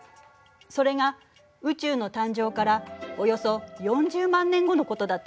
それが宇宙の誕生からおよそ４０万年後のことだったのね。